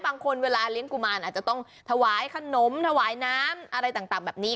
เวลาเลี้ยงกุมารอาจจะต้องถวายขนมถวายน้ำอะไรต่างแบบนี้